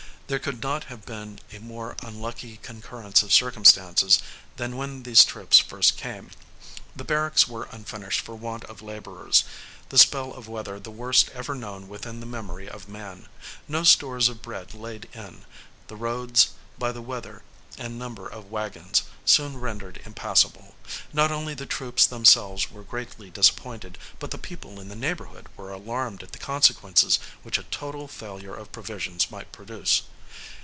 There could not have been a more unlucky concurrence of circumstances than when these troops first came. The barracks were unfinished for want of laborers, the spell of weather the worst ever known within the memory of man, no stores of bread laid in, the roads, by the weather and number of wagons, soon rendered impassable: not only the troops themselves were greatly disappointed, but the people in the neighborhood were alarmed at the consequences which a total failure of provisions might produce.